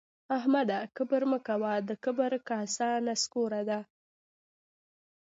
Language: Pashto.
احمده کبر مه کوه؛ د کبر کاسه نسکوره ده